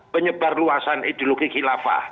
penyebar luasan ideologi khilafah